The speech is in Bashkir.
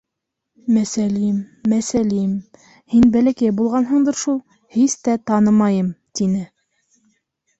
— Мәсәлим, Мәсәлим, һин бәләкәй булғанһыңдыр шул, һис тә танымайым, — тине.